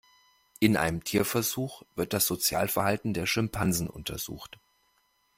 In einem Tierversuch wird das Sozialverhalten der Schimpansen untersucht.